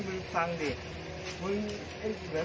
เมื่อ๑๙นาทีแม่งก็โดดใส่หน้าโน้น